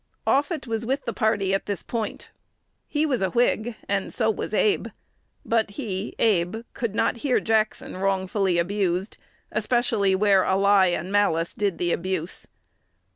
Offutt was with the party at this point. He "was a Whig, and so was Abe; but he (Abe) could not hear Jackson wrongfully abused, especially where a lie and malice did the abuse."